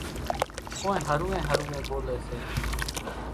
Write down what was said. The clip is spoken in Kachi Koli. ڪونئين هروين هروين ٻوليَ سي۔